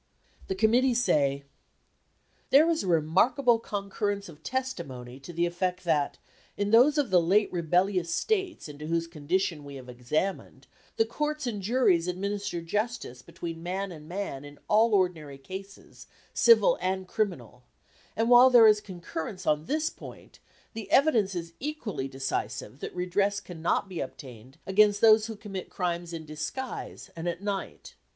The Committee say "There is a remarkable concurrence of testimony to the effect that, in those of the late rebellious States into whose condition we have examined, the courts and juries administer justice between man and man in all ordinary cases, civil and criminal; and while there is this concurrence on this point, the evidence is equally decisive that redress cannot be obtained against those who commit crimes in disguise and at night.